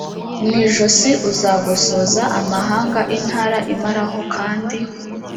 mu ijosi uzagosoza amahanga intara imaraho kandi